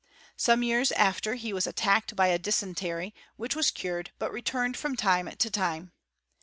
Some years after he was attacked by a dysentery, which was cured, but re turned from time to time.